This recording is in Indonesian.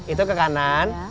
itu ke kanan